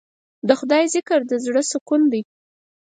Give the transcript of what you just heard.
د خدای ذکر د زړه سکون دی.